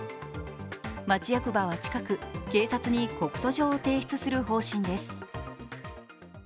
町役場は近く、警察に告訴状を提出する方針です。